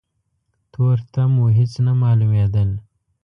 تورتم و هيڅ نه مالومېدل.